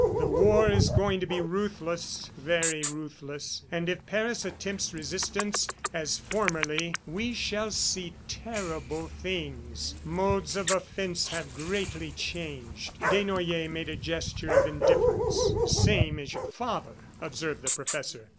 The war is going to be ruthless, very ruthless, and if Paris attempts resistance, as formerly, we shall see terrible things. Modes of offense have greatly changed." Desnoyers made a gesture of indifference. "The same as your father," observed the professor.